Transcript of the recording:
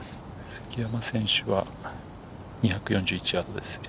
杉山選手は２４１ヤードです。